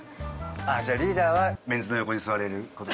じゃあリーダーはメンズの横に座れる事に。